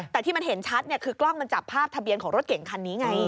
แต่ที่มันเห็นชัดคือกล้องมันจับภาพทะเบียนของรถเก่งคันนี้ไง